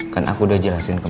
kan aku udah jelasin kamu